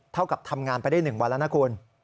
กับทำงานไปได้๑วันแล้วนะคุณ